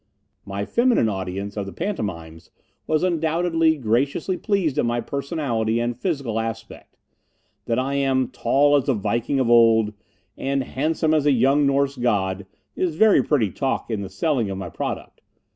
My feminine audience of the pantomimes was undoubtedly graciously pleased at my personality and physical aspect. That I am "tall as a Viking of old" and "handsome as a young Norse God" is very pretty talk in the selling of my product.